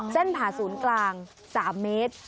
ผ่าศูนย์กลาง๓เมตร